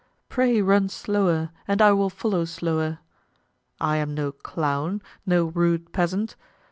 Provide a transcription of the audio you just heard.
Pray run slower, and I will follow slower. I am no clown, no rude peasant.